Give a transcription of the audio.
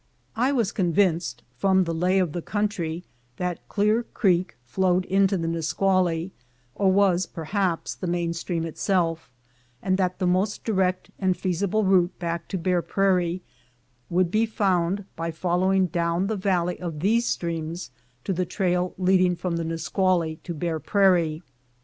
I was convinced from the lay of the country that Clear Creek flowed into the Nisqually, or was, perhaps, the main stream itself, and that the most direct and feasible route back to Bear Prairie would be found by following down the valley of these streams to the trail leading from 126 FIRST SUCCESSFUL ASCENT, 1870 the Nisqually to Bear Prairie.